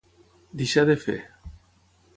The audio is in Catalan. Deixar de fer.